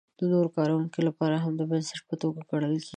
د نورو کارونو لپاره هم د بنسټ په توګه ګڼل کیږي.